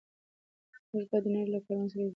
موږ باید د نړۍ له کاروان سره یوځای شو.